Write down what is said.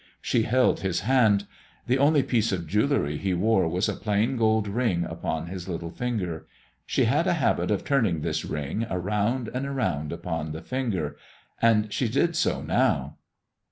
She held his hand. The only piece of jewelry he wore was a plain gold ring upon his little finger. She had a habit of turning this ring around and around upon the finger, and she did so now.